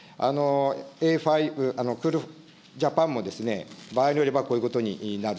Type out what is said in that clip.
Ａファイブ、クールジャパンも、場合によればこういうことになる。